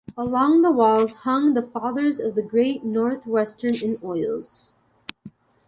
Along the walls hung the fathers of the Great Northwestern in oils.